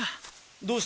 どうした？